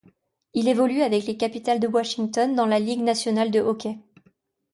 Il évolue avec les Capitals de Washington dans la Ligue nationale de hockey.